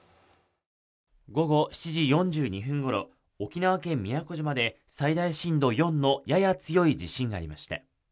午後７時４２分ごろ沖縄県宮古島で最大震度４のやや強い地震がありました